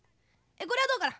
これはどうかな？